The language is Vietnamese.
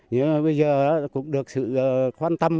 nhưng bây giờ cũng được sự quan tâm